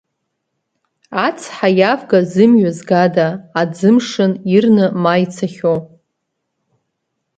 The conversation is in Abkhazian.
Ацҳа иавга зымҩа згада, аӡы мшын ирны ма ицахьоу.